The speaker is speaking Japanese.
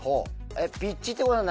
ピッチってことは何？